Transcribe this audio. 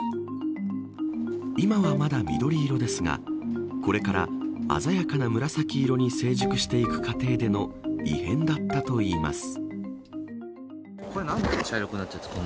今は、まだ緑色ですがこれから鮮やかな紫色に成熟していく過程での異変だったといいます。